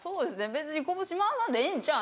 別にこぶし回さんでええんちゃう？